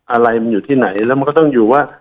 อะไรมันอยู่ที่ไหนแล้วมันก็ต้องอยู่ว่า